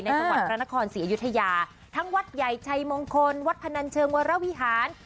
จังหวัดพระนครศรีอยุธยาทั้งวัดใหญ่ชัยมงคลวัดพนันเชิงวรวิหาร